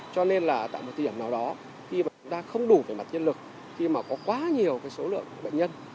cho nên là tại một tiểu nào đó khi mà chúng ta không đủ về mặt nhân lực khi mà có quá nhiều số lượng bệnh nhân